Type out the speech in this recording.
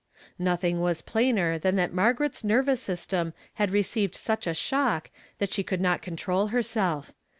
Nothing was plainer than that Margaret's ner vous system had received such a shock that she could not control herself.